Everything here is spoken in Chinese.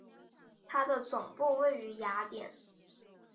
它的总部位于雅典。